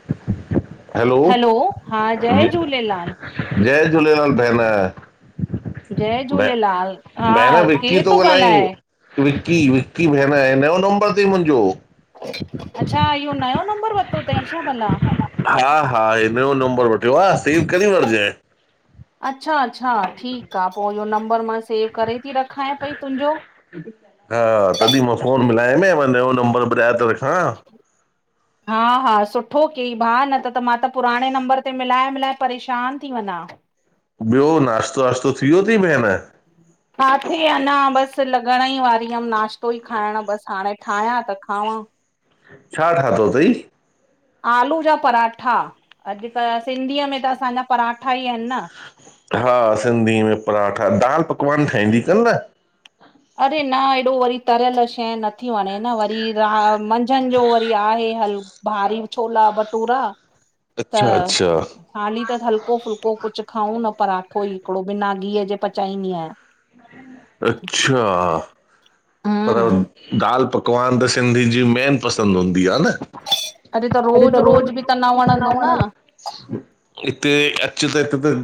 [inaudible] हलो! हां, ज जय झूलेलाल। जय झूलेलाल, भेण! जय ब, झूलेलाल, भहण हा विकी केरु त थो गलाह ई। ॻाल्हाए? विक्की विक्की भेण, नयो नंबर तई मुंजो। अच्छा, इयो नयो नंबर वरितो तई छा भला? हां-हां, ही नयो नंबर वठियो आ। सेव करे वठिजें। अच्छा-अच्छा, ठीक आ, पो इहो नंबर मां सेव करे ती रखांए पई तुंजो। हां, तॾी मां फोन मिलायमै मां नयो नंबर ॿुधाए तो रखां। हां-हां, सुठो कइ भाउ न त मां त पुराणे नंबर ते मिलाए-मिलाए परेशान थी वञा आहे। ॿियो नाश्तो-वाश्तो थी वियो तई भेण? काथे? अञा बस लॻण ई वारी हुयम नाश्तो ई खाइण बस, हाणे ठायां त खावां। छा ठातो तई? आलू जा पराठा, अॼुकल्ह सिंधीअ में त असांजा पराठा ई आहिन न। हां, सिंधी में पराठा, दाल पकवान ठाइंदी कर न? अरे न, ऐॾो वरी तरियल शै नथ थी वणें न था वरी न, मंझंदि जो उहो वरी आहे हल, भारी छोला भट टूरा! त अच्छा अच्छा हाली त, हल्को-फुल्को कुछ खाऊं न पराठो ई हिकड़ो बिना घीय जे पचाईंनी आयां। अच्छा पर हम्म दाल पकवान त सिंधीनि जी मेन पसंद हूंदी आ न। अरे त रोज़-रोज़ बि त न वणंनि। हिते, अचु त हिकु त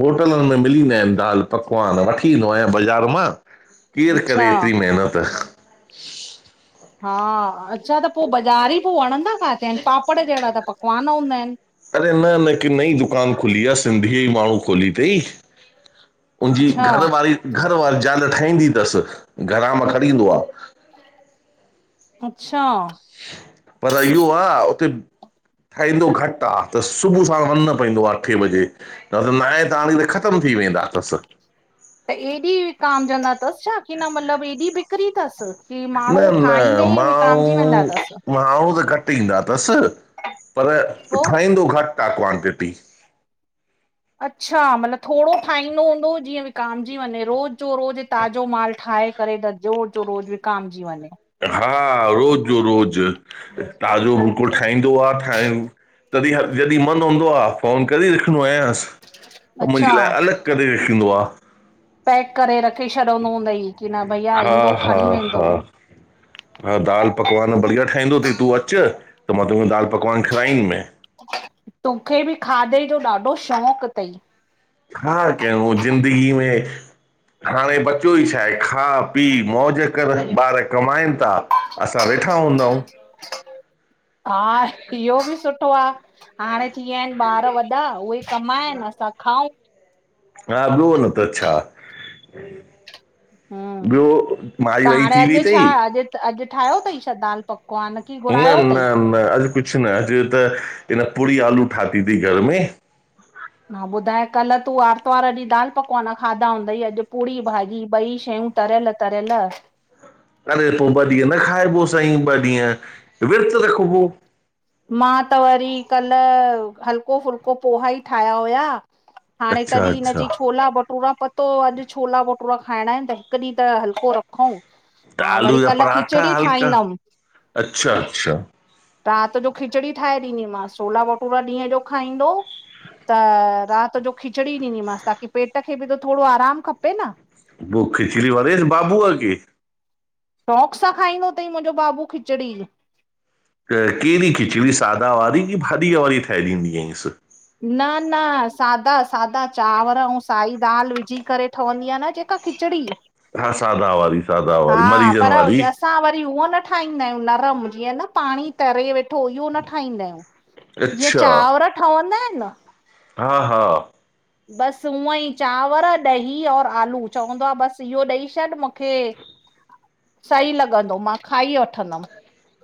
होटलियुनि में मिलीदानि दाल पकवान वठी ईंदो आयां बज़ार मां। केरु अच्छा करे एतिरी मेहनत? हा, अच्छा त पो बज़ारी पो वणंदा काॾे आहिन पापड़ जहिड़ा त पकवान हूंदा आहिनि। अरे न न हिकु नई दुकान खुली आ सिंधी ई माण्हूं खोली तईं। उंजी अच्छा घरवारी, घरवारी ॼाल ठाईंदी तस, घरा मां खणी ईंदो आ। अच्छा! पर इयूं आ उते ठाईंदो घट आ, त सुबुह सांड़ वञण पैंदो आ अठे बजे। न त नाइ ताणीं त ख़तमु थी वेंदा तसि। त एॾी विकाम जंदा तसि छा, कि न मतिलबु एॾी ॿिकरी तसि, की न माण्हूं ठाहींदे न ई विकामॼी वेंदा तसि। माण्हू माण्हू त घटि ईंदा तसि, पर पो ठहींदो घटि आ क्वांटिटी। अच्छा मतिलबु थोड़ो ठाहींदो हूंदो, ॼीअं विकामॼी वंञें रोज़ु। ॼो रोॼ ताॼो माल ठाहे करे त ॼोर जो रोॼ विकामॼी वंञें। हा रोॼ ॼो रोॼ ताॼो बिल्कुलु ठाहींदो आ ठाहि तॾी हर जॾी मन हूंदो आ, फोनु करे रखींदो आहियांसि। हो अच्छा मुंजे लाए, अलॻि करे रखींदो आ। पैक करे रखे छॾंदो हुंदई, की न भईया हा ईंदो हा खणीं वेंदो। [inaudible] हा दालि पकवान बढ़िया ठाहींदो तई, तूं अच त मां तोखे दालि पकवान खिलाईंदीम। तोखे ॿि खादे ॼो ॾाढो शौक़ु तई। छा कयाव हुअ जिंदगी में। हाणें ॿचोई छाहे, खा पी मौॼ कर ॿारु कमाइनि ता। असां वेठा हुंदाऊं। हा इहो ॿि सुठो आ हाणें थीयाइन ॿारु वॾा, उहे कमाइनि असां खाऊं। हा ॿियो न त छा। हम्म ॿियो माई-वाई हाणे थी वई अॼु छा तई? अॼु त अॼु ठाहियो तंई छा दालि पकवान? की न घुरायो न अथई न अॼु कुछु न, अॼु त हिन पुड़ी आलू ठाती तीं घर में। हा ॿुधाय कल्ह तूं आर्तवारु ॾींहुं दालि पकवान खादा हुंदई, अॼु पूड़ी भाॼी ॿई शयूं तरियलु-तरियलु अरे पो ॿ ॾींहुं न खाइॿो संईं, ॿ ॾींहुं विर्तु रखिॿो। मां त वरी कल हल्को-फुल्को पोहा ई ठाहिया हुया। हाणें अच्छा तॾी हिन अच्छा चई छोला बट टूरा पतो हो अॼु छोला भटूरा खाइणां इनि त हिकु ॾींहुं त हल्को रखंऊं। त हा वरी आलू जा कल्ह पराठा खिचड़ी हल्का ठाहींदमि अच्छा अच्छा राति ॼो। खिचड़ी ठाहे ॾींदीमांसि छोला भटूरा ॾींहुं ॼो खाईंदो। त राति ॼो खिचड़ी ॾींदीमांसि ताकी पेट खे ॿि त थोड़ो आराम खपे न। पो खिचड़ी वड़ेंस ॿाॿूअ के शौक़ सां खाईंदो तई मुंॼो ॿाॿू खिचड़ी। त केड़ी खिचड़ी? सादा वारी कि भाॾीअ वारी ठाहे ॾींदी आंईसि। न न सादा सादा, चांवर आंउं साई दाल विझी करे ठवंदी आ न ॼेक् त खिचड़ी। हा सादा वारी, सादा वारी, हा मरीॼनि पर वारी। असां वरी उहा न ठाहींदा आहियूं नरम जीअं न पांणीं तरे वेठो, इहो न ठाहींदा हियूं। ॼीअं अच्छा चांवर ठवंदा आहिन न हा हा। ॿसि ऊअं ई चांवर, ॾही और आलू चवंदो आ ॿसि इहो ॾेई छॾ मुखे। [inaudible] सही लॻंदो, मां खाई वठंदमि,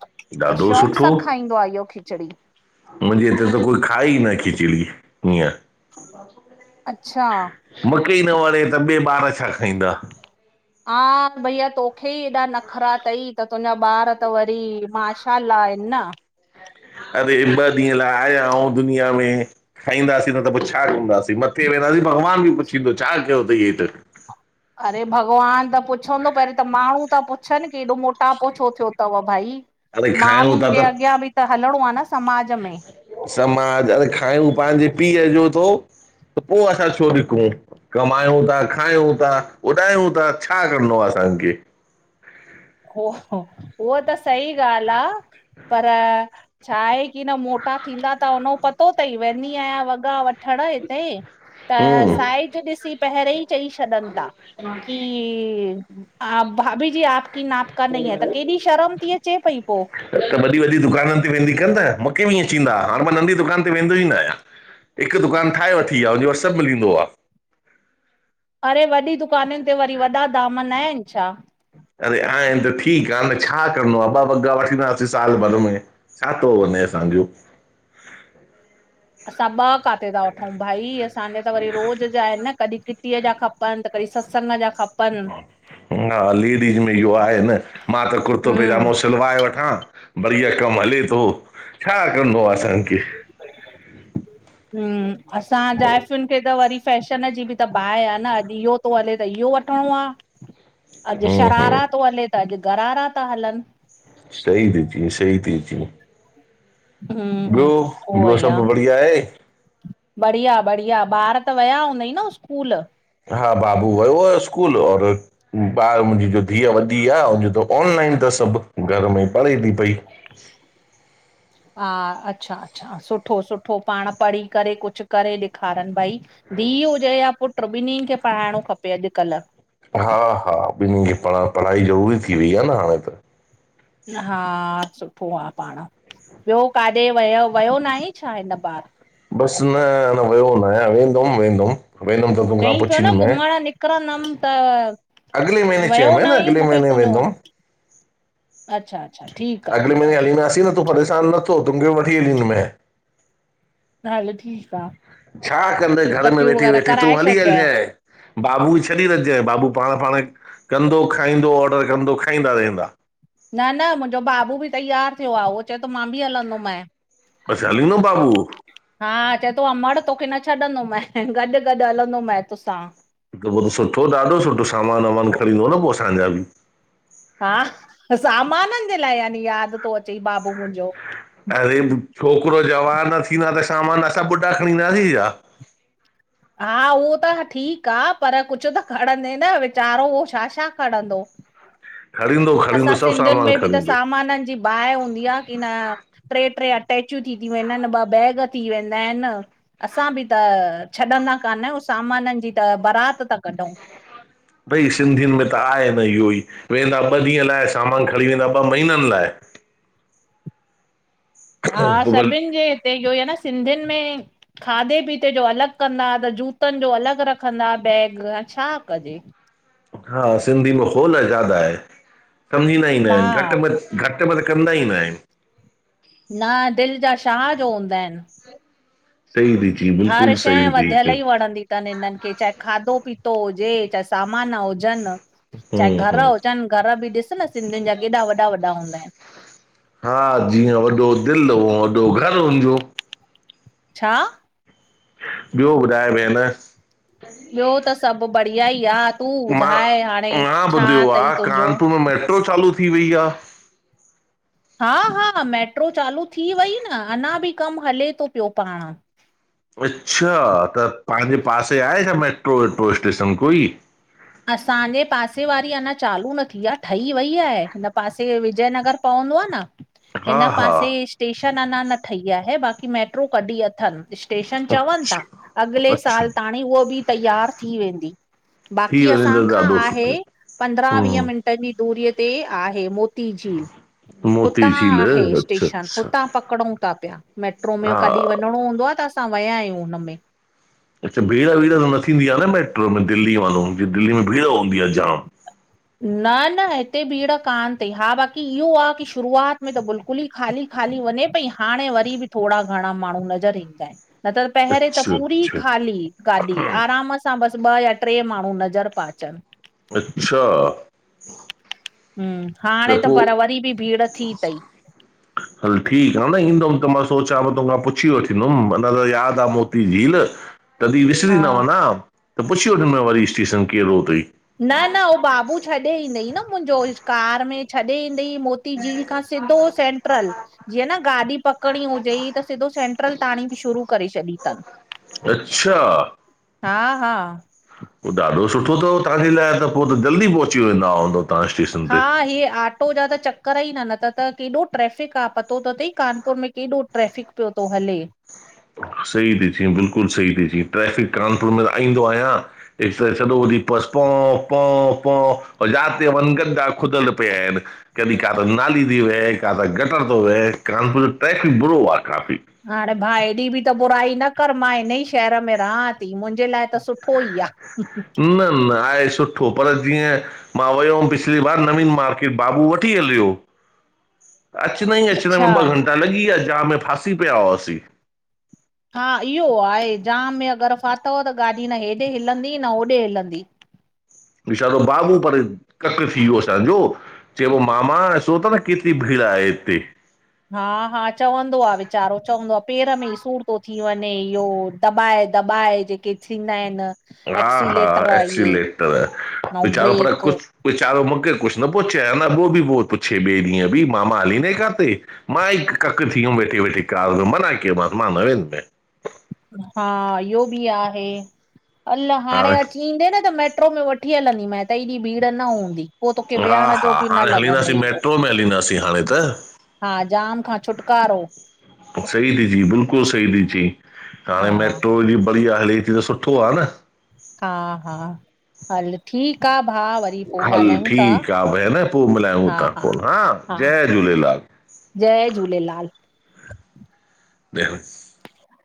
त ॾाढो शौक़ु सां खाईंदो आ हियो खिचड़ी। मुंझे इते त कोई खाए ई न खिचड़ी हियं। अच्छा मुखे ही न वणें त ॿे ॿार छा खाईंदा। हा भईया तोखे ई ऐॾा नखरा थई त तुंहिंजा ॿार त वरी माशा अल्ला आहिन न। अरे ॿ ॾींहं लाए आयाऊूं दुनिया में। खाईंदासीं न त पो छा कंदासीं? मत्थे वेंदासीं भॻवान ॿि पुछींदो छा कयो तई हेठि? अरे भॻवान त पुछंदो, पहिरियूं त माण्हूँ ता पुछनि कि एॾो मोटापो छो थियो तव भई? अरे खायूं था माण्हुंनि ॼे अॻियां ॿि त हलणों आ न समाॼ में। समाज, अरे खायूं पांजे पीअ ॼो थो, त पो असां छो ॾिकूं? कमायूं था, खायूं था, उॾायूं था, छा करिणो आहे असांखें? हो हो उहो त सही ॻाल्हि आ पर छा आहे कि न मोटा थींदा त वनो, पतो थई वेंदी आहियां वॻा वठणु हिते त हम्म साइज ॾिसी पहिरे ई चई छॾन था कि, आप, भाभीजी आप की नाप का नही है। त केॾी शर्म थी अचे पई पो। त वॾी वॾी दुकाननि ते वेंदी कर न, मूंखे बि हीअं, ठिंदा। हाणे मां नंढी दुकान ते वेंदो ई न आहियां। हिकु दुकान ठाहे वठी आ, हुने वटि सभु मिलींदो आ। अरे वॾी दुकानुनि ते वरी वॾा दाम न आहिनि छा? अरे आहिनि त ठीकु आ न, छा करिणो आ? ॿ वॻा वठींदासीं साल भर में। छा थो वञे असांजो? असां ॿ काथे था वठूं भाई? असांजे त वरी रोज़ जा आहिनि न, कॾहिं किटीअ जा खपनि, खपनि, त कॾी सत्संग जा खपनि। हा लेडीज़ में इहो आहे न, मां त कुर्तो हम्म पज़ामो सलवाए वठां, बढ़िया कमु हले थो, छा करणो आ असांखे? ह्म्म, असां जाइफ़ुनि खे त वरी फैशन जी बि त बाहि आ न, अॼु इहो थो हले त इहो वठिणो आ। अॼु हम्म हम्म शरारा थो हले, त अॼु घरारा था हलनि। सही दीदी, सही थी चई। हम्मम ॿियो हम्मम, उहो ॿियो ई आ। सभु बढ़िया आहे बढ़िया बढ़िया! ॿार त वया हूंदई न स्कूल? हा बाबू वयो आ स्कूल। और ॿार मुंहिंजी जो धीअ वॾी आ, त ऑनलाइन तस सभु, घर में पढ़े थी पई। हा, अच्छा अच्छा, सुठो सुठो! पाण पढ़ी करे कुझु करे ॾेखारनि भई। धीउ हुजे या पुट ॿिननि खे पढ़ाइणो खपे अॼुकल्ह। हा हा ॿिनीन खे पढ़ पढ़ाई ज़रूरी थी वई आ न हाणे त। हा सुठो आ पाण। ॿियो काॾे वयव वयो न आहे छा हिन बार? बस! न अञा वयो न आहियां, वेंदुम वेंदुम वेंदुम। चईं पियो न घुमण निकिरंदमि त! अॻिले महीने वियो चयोमांइ न नांईं? अॻिले मुखे महीने वेंदुमि [unintelligible] अच्छा अच्छा ठीकु आहे अॻिले ठीकु आहे। महीने हलींदासीं न तूं परेशान नथो, तुमखे वठी हलींदुमे। न, हलो ठीक आ। छा कंदेइ घर में वेठी वेठी! तूं हली हल छॾिजांइ जांइ। बाबू ई छॾी हल जैं, बाबू पाण पाण कंदो खाईंदो, ऑडर कंदो, खाईंदा रहंदा। न न! मुंहिंजो बाबू बि तयारु थियो आहे। उहो चए थो मां बि हलंदोमांइ। अच्छा हलंदो बाबू? हा चए थो अमड़ तोखे न छॾंदो मय, गॾु गॾु हलंदो मय तोसां। हिकु पोइो त सुठो ॾाढो सुठो सामानु वामानु खणींदो न पोइ असांजा बि। हा त सामाननि जे लाइ यानी यादि थो अचे बाबू मुंहिंजो? अरे छोकिरो जवान थींदा त सामान असां ॿुढा खणी ईंदासीं छा? हा उहो त ठीकु आहे पर कुझु त खणंदे न? वीचारो उहो छा छा खणंदो? खणींदो असां खणींदो सभु सिंधियुनि सामान में बि त खणींदो सामाननि जी बाहि हूंदी आहे की न। ट्रे ट्रे अटैचूं थी थी वेंदा आहिनि, ॿ बैग थी वेंदा आहिनि। असां बि त छॾंदा कान आहियूं, सामाननि जी त बारात था कढूं। भई सिंधियुनि में त आहे भाई इहो ई, वेंदा ॿ ॾींहं लाइ सामान खणी वेंदा ॿ महीननि लाइ। हा पोइ भले सभिनि जे हिते इहो आहे न। सिंधियुनि में खाधे पीते जो अलॻि कंदा, त जूतनि जो अलॻि रखंदा बैग। हाण छा कजे? हा सिंधी में होल ज्यादा आहे। कम ई ना ईंदा आहिनि। मां घटि में घटि वध कंदा ई न आहियूं। न, दिलि जा शाह जो हूंदा आहिनि। सही दी। हर शइ वधियल ई वणंदी [unintelligible] हिननि खे चाहे खाधो पीतो हुजे, चाहे सामान हुजनि चाहे हम्म घरू हम्म हुजनि घर बि ॾिस न सिंधियुनि जा केॾा वॾा वॾा हूंदा आहिनि। हा जीअं वॾो दिलि ऊंअ वॾो घरु हुनजो। छा? ॿियो ॿुधाए भेण? ॿियो त सभु बढ़िया ई आ। तूं मां, ॿुधाए हाणे मां छा ॿुधियो अथई आहे तुंहिंजो कानपुर में मेट्रो चालू थी वेई आ। हा, हा, मेट्रो चालू थी वई न अन्नां बि कमु हले थो पियो पाण। अच्छा त तव्हांजे पासे आहे छा मेट्रो वेट्रो स्टेशन कोई? असांजे पासे वारी अञां चालू न थी आहे, ठही वई आहे हिन पासे विजय नगर पवंदो आहे। न हा हिन हा पासे सटेशन अन्नां न ठही आहे। बाक़ी मेट्रो कॾी अथनि स्टेशन चवनि था अच्छा अॻिले अच्छा साल ताणीं उहो बि तैयार थी वेंदी। बाक़ी थी की वञे असां त खां ॾाढो आहे सुठो पंद्रह- वीह हम्म मिनट जी दूरीअ ते आहे। मोती मोती झील मोती हुतां झील आहे अच्छा स्टेशन अच्छा हुतां पकड़ूं था पिया। मेट्रो में हा कॾहिं वञिणो हूंदो आहे त असां विया आहियूं हुनमें। अच्छा, भीड़ वीड़ त न थींदी आहे न मैट्रो में दिल्ली वांगूर जीअं दिल्ली में भीड़ हूंदी आहे जाम। न न हिते भीड़ कान अथई। हा, बाक़ी इहो आहे की शुरूआत में त बिल्कुलु पूरी ख़ाली ख़ाली वञे पई। हाणे वरी बि थोड़ा घणा माण्हू नज़र ईंदा आहिनि। न त पहरे त अच्छा पूरी अच्छा खाली गाॾी। आराम सां हिता बसि ॿ या टे माण्हू नज़र ता अचनि। अच्छा। हम, हाणे त पर वरी बि भीड़ थी तई। [inaudible] हल ठीकु आ न। ईंदुमि त मां सोचां पो तोखां पुछी वठंदुमि अञा त यादि आहे मोती झील। तॾहिं विसरी हा न वञा, त पुछी वठंदुमि वरी स्टेशन केरु तई। न न, उहो बाबू छॾे ईंदई न मुंहिंजो कार में छॾे ईंदई मोती मोतीझील खां सिधो सेंट्रल। जीअं न गाॾी पकड़ी हुजेई त सिधो सेंट्रल ता हाणे बि शुरू करे छॾी अथनि। अच्छा। हा, हा। पोइ ॾाढो सुठो अथव, तव्हांजे लाइ त पोइ त जल्दी पहुची वेंदा हूंदो। हा हीअ आ अटो जा त चक्कर ई न, न त केॾो ट्रैफ़िक आहे पतो त अथई कानपुर में केॾो ट्रैफ़िक पियो थो हले। सही दीदी, बिल्कुलु सही दीदी, ट्रैफ़िक कानपुर में त ईंदो आहियां त सॼो ॾींहं बसि पो, पो, पो जाथे वन गदा खुदल पिया आहिनि। कॾहिं काॾे नाली थी वहे, काॾो गटर थो वहे, कानपुर जो ट्रैफिक बुरो आहे काफ़ी। हाणे भाउ हेॾी बि त बुराई न कर मां हिन ई शहर में रहां थी मुंहिंजे लाइ त सुठो ई आहे। [inaudible] न, न, आहे सुठो पर जीअं। मां वियो हुअुमि पिछली बार नवीन मार्किट बाबू वठी हलियो। अचणा ई अचण अच्छा में ॿ घंटा लॻी विया जाम में फासी पिया हुआसीं। हा इहो आहे जाम में अगरि फ़ाथव त गाॾी न हेॾे हिलंदी न होॾे हिलंदी। वीचारु बाबू पर कक थी वियो सॼो। चइबो मामा सचो तव केतिरी भीड़ आहे हिते। हा, हा, चवंदो आ वीचारो चवंदो आ पेर में ई सूर थो थी वञे इहो। दॿाए दॿाए जेके थींदा आहिनि। हा हा एक्सीलेटर इहे एक्सीिलेटर, ऐं वीचारो पर ब्रेक कुझु वचारो मूंखे कुछु न पो चिए। अञा पोइ बि पुछे ॿिए ॾींहं बि मामा हली न काथे। मां ई कक थी वियुमि वेठे, वेठे कार मना कयोमांस, मां न वेंदोम। हा इहो बि आहे अल हाणे अची ईंदे न त मेट्रो में वठी वठी हलंदी मै त हे ॾींहुं भीड़ न हूंदी पो तोखे हा, विहण हा जो बि न हाणे हलींदासीं लॻंदई एॾो मेट्रो में हलींदासीं हाणे त। हा जाम खां छुटकारो। सही थी चई बिल्कुलु सही थी चई हा हाणे मेट्रो जी बढ़िया हले थी त सुठो आहे न। हा, हा, हल ठीकु आ भा हल ठीकु आ भेण पोइ मिलायू ता फोन हा जय झूलेलाल। जय झूलेलाल। भेण - -